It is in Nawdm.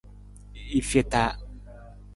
I feta.